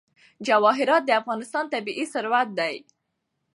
جواهرات د افغانستان طبعي ثروت دی.